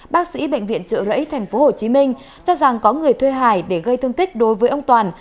bác sĩ bệnh viện trợ rẫy tp hcm cho rằng có người thuê hải để gây thương tích đối với ông toàn